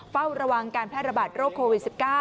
เฝ้าระวังการแพร่ระบาดโรคโควิด๑๙